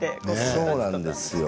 そうなんですよ。